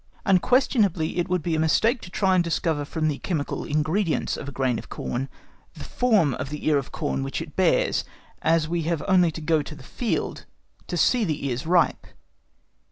Unquestionably it would be a mistake to try to discover from the chemical ingredients of a grain of corn the form of the ear of corn which it bears, as we have only to go to the field to see the ears ripe.